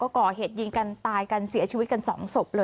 ก่อเหตุยิงกันตายการเสียชีวิตกันสองศพ